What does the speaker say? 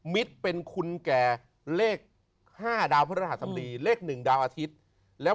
มิตรเป็นคุณแก่เลข๕ดาวพระราชสมดีเลข๑ดาวอาทิตย์แล้ว